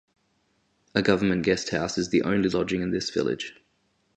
A government guesthouse is the only lodging in this village.